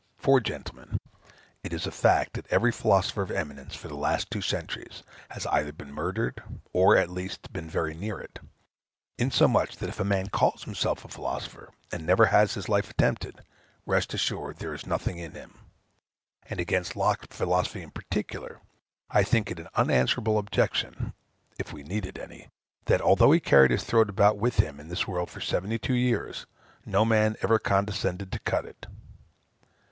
For, gentlemen, it is a fact, that every philosopher of eminence for the two last centuries has either been murdered, or, at the least, been very near it; insomuch, that if a man calls himself a philosopher, and never had his life attempted, rest assured there is nothing in him; and against Locke's philosophy in particular, I think it an unanswerable objection (if we needed any), that, although he carried his throat about with him in this world for seventy two years, no man ever condescended to cut it.